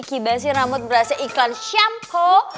kibasin rambut berasnya iklan shampoo